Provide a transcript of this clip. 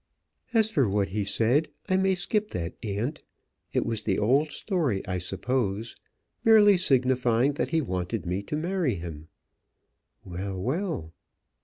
"As for what he said, I may skip that, aunt. It was the old story, I suppose, merely signifying that he wanted me to marry him." "Well, well."